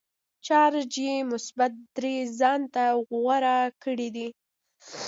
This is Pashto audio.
چارج یې مثبت درې ځانته غوره کړی دی.